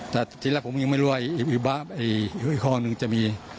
แต่ที่แรกผมยังไม่รู้แบบอีกข้อนึงจะมี